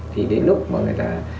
thì đến lúc mà người ta